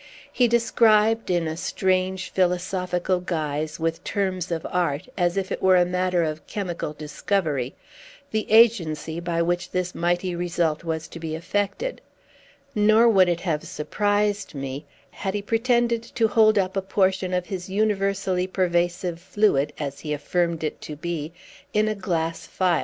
He described (in a strange, philosophical guise, with terms of art, as if it were a matter of chemical discovery) the agency by which this mighty result was to be effected; nor would it have surprised me, had he pretended to hold up a portion of his universally pervasive fluid, as he affirmed it to be, in a glass phial.